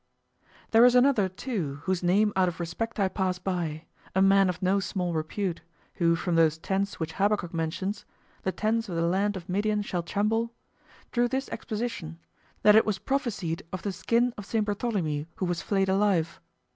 There is another, too, whose name out of respect I pass by, a man of no small repute, who from those tents which Habakkuk mentions, "The tents of the land of Midian shall tremble," drew this exposition, that it was prophesied of the skin of Saint Bartholomew who was flayed alive.